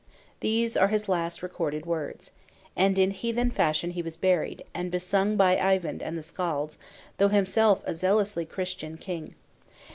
These are his last recorded words. And in heathen fashion he was buried, and besung by Eyvind and the Skalds, though himself a zealously Christian king.